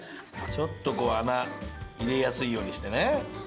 ちょっとこう穴入れやすいようにしてね。